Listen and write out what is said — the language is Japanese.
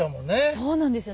そうなんですよ。